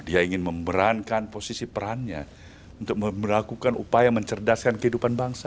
dia ingin memberankan posisi perannya untuk melakukan upaya mencerdaskan kehidupan bangsa